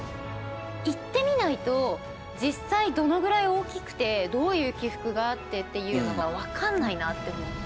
行ってみないと実際どのぐらい大きくてどういう起伏があってっていうのが分かんないなって思って。